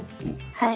はい。